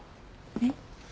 えっ？